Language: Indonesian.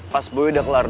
pas boy udah kelar doa